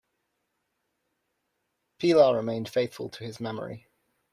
Pilar remained faithful to his memory.